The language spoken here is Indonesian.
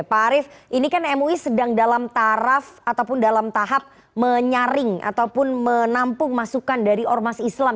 pak arief ini kan mui sedang dalam taraf ataupun dalam tahap menyaring ataupun menampung masukan dari ormas islam